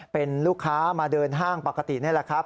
เป็นลูกค้ามาเดินห้างปกตินี่แหละครับ